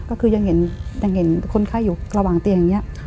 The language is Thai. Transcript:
ก็คือยังเห็นยังเห็นคนไข้อยู่กระหว่างเตียงอย่างเงี้ย